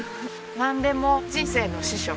なんでも人生の師匠。